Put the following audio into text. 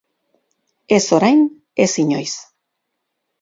Ez orain, ez inoiz.